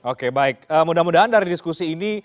oke baik mudah mudahan dari diskusi ini